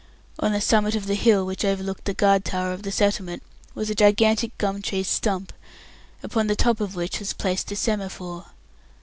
On the summit of the hill which overlooked the guard towers of the settlement was a gigantic gum tree stump, upon the top of which was placed a semaphore.